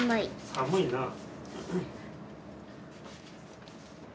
寒いなあ。